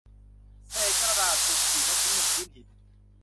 เศษกระดาษถูกฉีกและทิ้งบนพื้นหิน